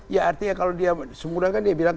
ya artinya kalau dia semudah kan dia bilang